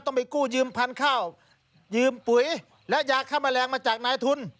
ไปกู้ยืมพันธุ์ข้าวยืมปุ๋ยและยาฆ่าแมลงมาจากนายทุน